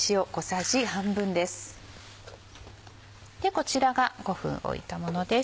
こちらが５分置いたものです。